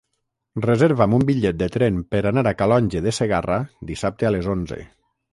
Reserva'm un bitllet de tren per anar a Calonge de Segarra dissabte a les onze.